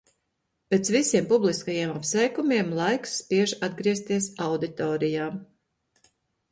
Pēc visiem publiskajiem apsveikumiem, laiks spiež atgriezties auditorijā.